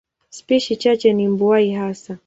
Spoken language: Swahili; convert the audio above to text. Spishi chache ni mbuai hasa.